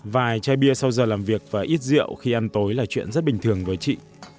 vài chai bia sau giờ làm việc và ít rượu khi ăn tối là chuyện rất bình thường với chị